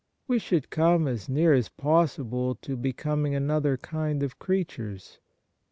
We should come as near as possible to becoming another kind of creatures.